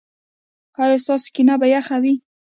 ایا ستاسو کینه به یخه وي؟